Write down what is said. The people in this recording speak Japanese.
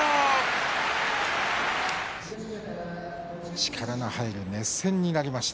力の入る熱戦になりました